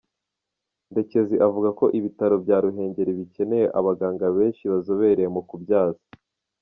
Ndekezi avuga ko ibitaro bya Ruhengeri bikeneye abaganga benshi bazobereye mu kubyaza.